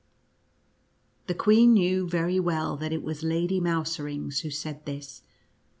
The queen knew very well that it was Lady Mouserings who said this.